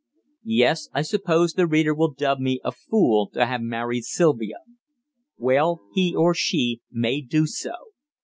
Yes, I suppose the reader will dub me a fool to have married Sylvia. Well, he or she may do so.